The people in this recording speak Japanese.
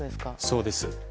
そうです。